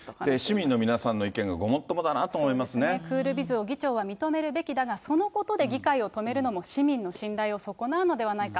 市民の皆さんの意見が、クールビズを議長は認めるべきだが、そのことで議会を止めるのも市民の信頼を損なうのではないか。